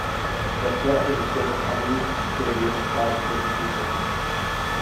Their threat is a source of unease, security, and pride to different people.